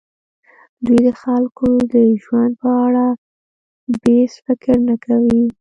دوی د خلکو د ژوند په اړه بېڅ فکر نه کوي.